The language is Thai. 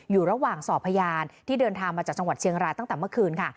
อยู่ระหว่างสอบพยานที่เดินทางมาจากจังหวัดเชียงรายตั้งแต่เมื่อคืนค่ะ